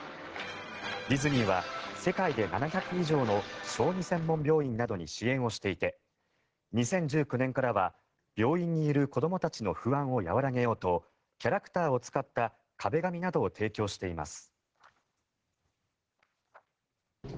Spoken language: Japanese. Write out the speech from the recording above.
ディズニーは世界で７００以上の小児専門病院などに支援をしていて２０１９年からは病院にいる子どもたちの不安を和らげようとキャラクターを使った壁紙などを提供しています。